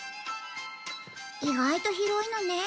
意外と広いのね。